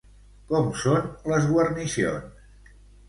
Com són les guarnicions?